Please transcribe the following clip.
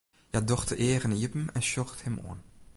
Hja docht de eagen iepen en sjocht him oan.